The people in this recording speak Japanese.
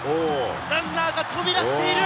ランナーが飛び出している。